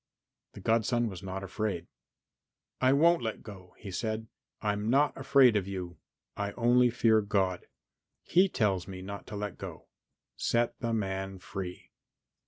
The godson was not afraid. "I won't let go," he said. "I'm not afraid of you; I only fear God. He tells me not to let go. Set the man free."